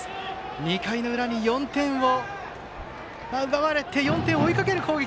２回の裏に４点を奪われて４点を追いかける攻撃。